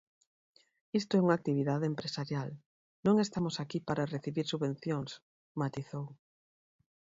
Isto é unha actividade empresarial, non estamos aquí para recibir subvencións, matizou.